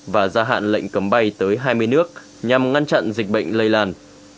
và ra hạn lệnh cấm bay tới hai mươi nước nhằm ngăn chặn dịch bệnh lây làn